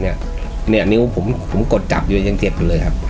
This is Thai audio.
เนี่ยนิ้วผมผมกดจับอยู่ยังเจ็บอยู่เลยครับ